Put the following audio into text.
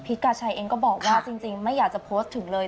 กาชัยเองก็บอกว่าจริงไม่อยากจะโพสต์ถึงเลย